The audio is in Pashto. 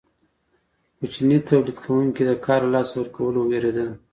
کوچني تولید کوونکي د کار له لاسه ورکولو ویریدل.